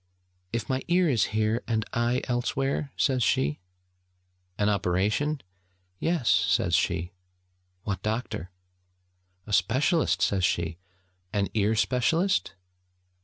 'If my ear is here, and I elsewhere?' says she. 'An operation?' 'Yes!' says she. 'What doctor?' 'A specialist!' says she. 'An ear specialist?'